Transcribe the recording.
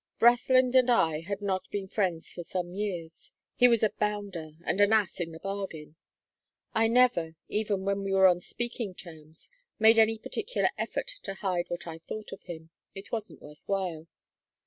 "Brathland and I had not been friends for some years. He was a bounder, and an ass in the bargain. I never, even when we were on speaking terms, made any particular effort to hide what I thought of him it wasn't worth while.